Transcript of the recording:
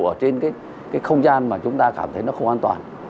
ở trên cái không gian mà chúng ta cảm thấy nó không an toàn